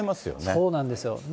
そうなんですよ。